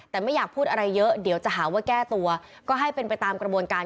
แต่ไม่อยากพูดอะไรเยอะเดี๋ยวจะหาว่าแก้ตัวก็ให้เป็นไปตามกระบวนการ